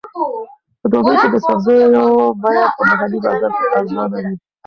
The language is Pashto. په دوبي کې د سبزیو بیه په محلي بازار کې ارزانه وي.